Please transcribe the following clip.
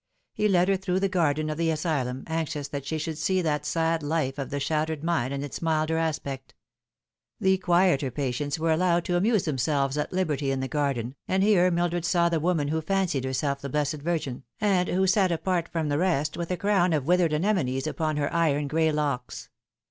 He led her through the garden of the asylum, atixious that she sh/ uld see that sad life of the shattered mind in its milder aspect. The quieter patients were allowed to amuse themselves at liberty in the garden, and here Mildred saw the woman who fancied herself the Blessed Virgin, and who sat apart from the rest, with a crown of withered anemones upon her iron gray locks.